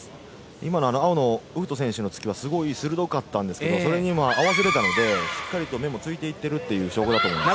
今のウフト選手の突きはすごいするどかったんですがそれを合わせられたのでしっかりと面をついて行っている証拠だと思います。